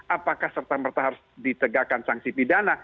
apakah serta merta harus ditegakkan sanksi pidana